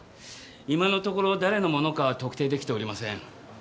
今のところ誰のものかは特定出来ておりません。